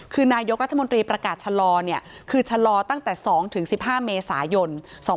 คือนายกรัฐมนตรีประกาศชะลอคือชะลอตั้งแต่๒๑๕เมษายน๒๕๖๒